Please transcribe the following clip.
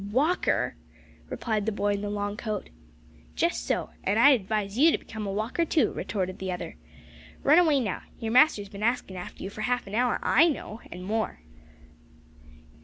"Walker!" replied the boy in the long coat. "Just so; and I'd advise you to become a walker too," retorted the other; "run away now, your master's bin askin' after you for half an hour, I know, and more."